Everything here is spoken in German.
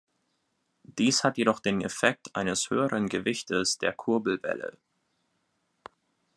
Dies hat jedoch den Effekt eines höheren Gewichtes der Kurbelwelle.